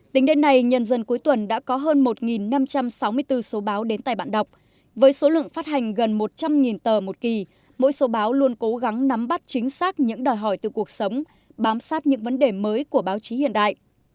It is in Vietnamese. tính đến nay nhân dân cuối tuần đã có hơn một năm trăm sáu mươi bốn số báo đến tay bạn đọc với số lượng phát hành gần một trăm linh tờ một kỳ mỗi số báo luôn cố gắng nắm bắt chính xác những đòi hỏi từ cuộc sống bám sát những vấn đề mới của báo chí hiện đại